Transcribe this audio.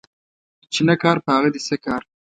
چي نه کار ، په هغه دي څه کار